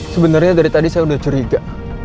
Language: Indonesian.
sebenernya dari tadi saya udah curiga